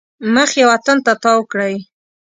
مخ یې وطن ته تاو کړی.